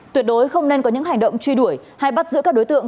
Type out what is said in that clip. tuyệt đối không nên có những hành động truy đuổi hay bắt giữ các đối tượng